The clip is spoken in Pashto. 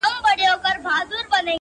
چوپ دی نغمه زار د آدم خان او درخانیو٫